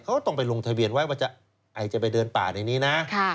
เขาต้องไปลงทะเบียนไว้ว่าจะไปเดินป่าในนี้นะ